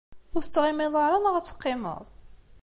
Ur tettɣimiḍ ara neɣ ad teqqimeḍ?